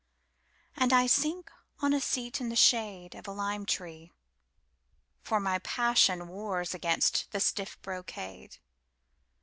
And I sink on a seat in the shadeOf a lime tree. For my passionWars against the stiff brocade.